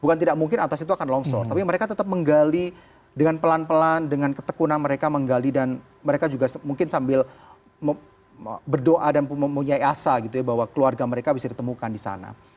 bukan tidak mungkin atas itu akan longsor tapi mereka tetap menggali dengan pelan pelan dengan ketekunan mereka menggali dan mereka juga mungkin sambil berdoa dan mempunyai asa gitu ya bahwa keluarga mereka bisa ditemukan di sana